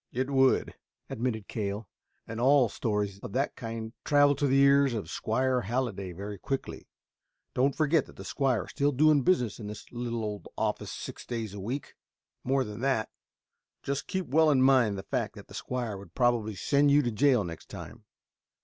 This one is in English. "It would," admitted Cale, "and all stories of that kind travel to the ears of Squire Halliday very quickly. Don't forget that the squire is still doing business in his little old office six days a week. More than that, just keep well in mind the fact that the squire would probably send you to jail next time.